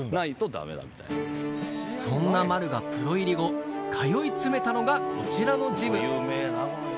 そんな丸がプロ入り後、通い詰めたのがこちらのジム。